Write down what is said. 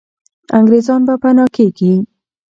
انګریزان به پنا کېږي.